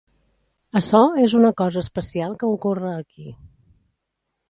Açò és una cosa especial que ocorre aquí.